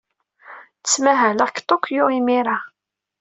Ttmahaleɣ deg Tokyo imir-a.